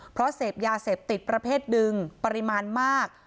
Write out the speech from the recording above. เพราะเสพยาเสพติดประเภทหนึ่งปริมาณมาก